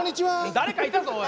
誰かいたぞおい。